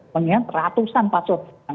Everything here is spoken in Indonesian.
mengingat ratusan password